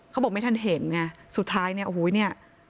เขาบอกไม่ทันเห็นไงสุดท้ายเนี่ยโอ้โหเนี่ย